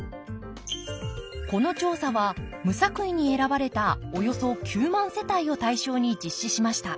この調査は無作為に選ばれたおよそ９万世帯を対象に実施しました。